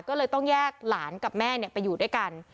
ก็เลยต้องแยกหลานกับแม่ไปอยู่ด้วยกัน